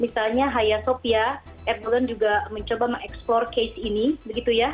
misalnya haya sopia erdogan juga mencoba mengeksplore case ini